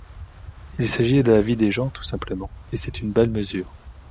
Il s’agit de la vie des gens tout simplement, et c’est une belle mesure.